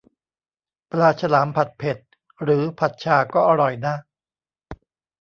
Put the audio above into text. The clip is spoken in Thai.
ปลาฉลาม ผัดเผ็ด หรือผัดฉ่าก็อร่อยนะ